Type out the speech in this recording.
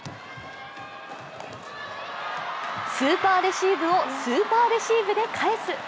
スーパーレシーブをスーパーレシーブで返す。